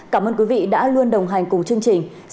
cảm ơn quý vị đã luôn đồng hành cùng chương trình